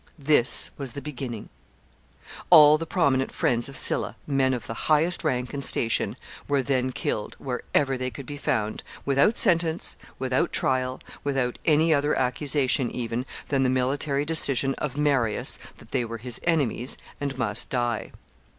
This was the beginning. All the prominent friends of Sylla, men of the highest rank and station, were then killed, wherever they could be found, without sentence, without trial, without any other accusation, even, than the military decision of Marius that they were his enemies, and must die.